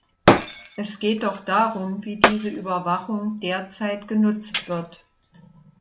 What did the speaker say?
Es geht doch darum, wie diese Überwachung derzeit genutzt wird.